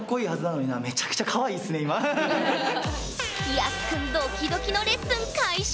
ＹＡＳＵくんドキドキのレッスン開始！